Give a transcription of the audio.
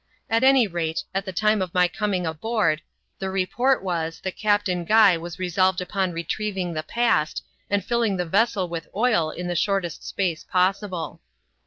At any rate, at the time of my coming aboard, the report was, that Captain Guy was resolved upon retrieving the past, and filling the vessel with oil in the sh(»:test space possible.